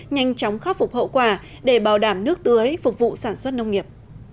nhanh chóng khắc phục hậu quả để bảo đảm nước tưới phục vụ sản xuất nông nghiệp